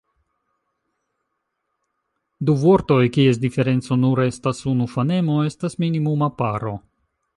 Du vortoj kies diferenco nur estas unu fonemo estas minimuma paro.